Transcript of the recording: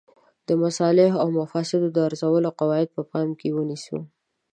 د مصالحو او مفاسدو د ارزولو قواعد په پام کې ونیسو.